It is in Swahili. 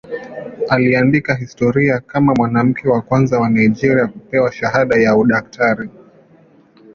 Aliandika historia kama mwanamke wa kwanza wa Nigeria kupewa shahada ya udaktari.